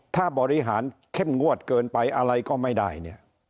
ถ้าบริหารเข้มงวดเกินไปอะไรก็ไม่ได้เนี่ย